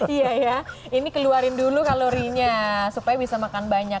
iya ya ini keluarin dulu kalorinya supaya bisa makan banyak